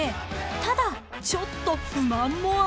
［ただちょっと不満もあるそうです］